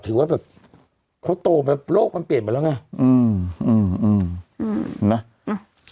ถือว่าแบบเขาโตแบบโรคมันเปลี่ยนไปแล้วไงอืมอืมอืมน่ะอืม